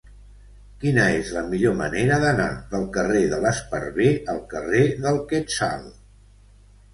Quina és la millor manera d'anar del carrer de l'Esparver al carrer del Quetzal?